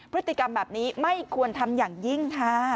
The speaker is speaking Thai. พฤติกรรมแบบนี้ไม่ควรทำอย่างยิ่งค่ะ